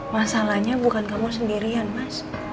masalahnya bukan kamu sendirian mas